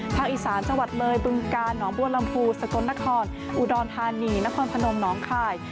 อีสานจังหวัดเลยบึงกาลหนองบัวลำพูสกลนครอุดรธานีนครพนมน้องคาย